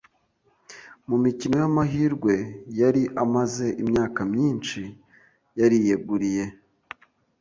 mu mikino y’amahirwe yari amaze imyaka myinshi yariyeguriye.